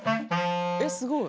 えっすごい。